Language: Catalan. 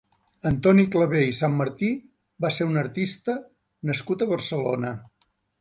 Antoni Clavé i Sanmartí va ser un artista nascut a Barcelona.